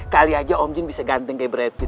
kali aja om jin bisa ganteng kayak brad pitt